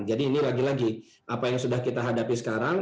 jadi ini lagi lagi apa yang sudah kita hadapi sekarang